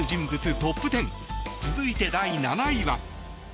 トップ１０続いて第７位は。